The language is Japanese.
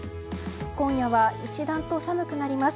今夜は一段と寒くなります。